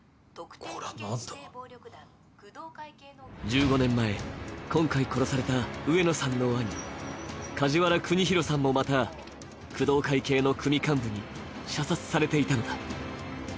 １５年前、今回殺された上野さんの兄、梶原國弘さんもまた、工藤会系の組幹部に射殺されていたのだ。